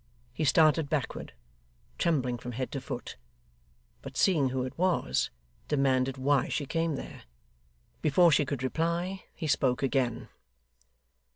He started backward, trembling from head to foot; but seeing who it was, demanded why she came there. Before she could reply, he spoke again.